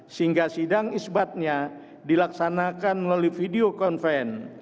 sehingga sidang isbatnya dilaksanakan melalui video conven